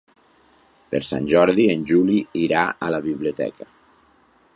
Per Sant Jordi en Juli irà a la biblioteca.